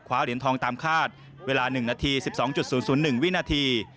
ขว้เดือนทองตามคาดเวลา๑นาที๑๒๐๐๑วินาที